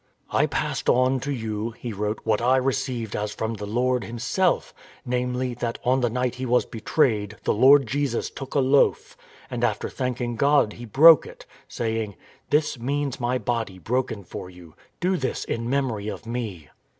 " I passed on to you," he wrote, " what I received as from the Lord Himself, namely, that on the night He was betrayed the Lord Jesus took a loaf, and after 276 STORM AND STRESS thanking God He broke it, saying, ' This means my body broken for you; do this in memory of me.'